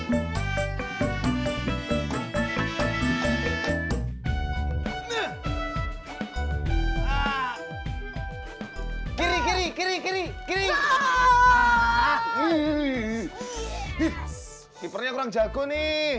jika kamu ada kesempatan maaf types a mendapatkan ranjutan satu